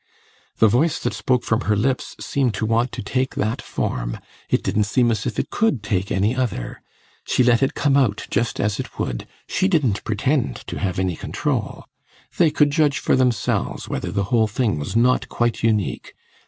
The voice that spoke from her lips seemed to want to take that form. It didn't seem as if it could take any other. She let it come out just as it would she didn't pretend to have any control. They could judge for themselves whether the whole thing was not quite unique.